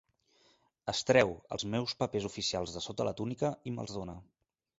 Es treu els meus papers oficials de sota la túnica i me'ls dóna.